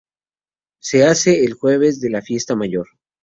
Se hace el jueves de la fiesta mayor.